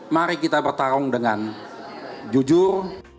mari kita bertarung dengan jujur